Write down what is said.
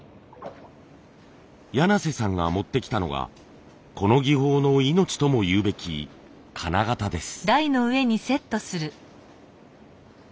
柳瀬さんが持ってきたのがこの技法の命ともいうべき金型です。